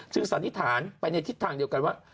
สันนิษฐานไปในทิศทางเดียวกันว่า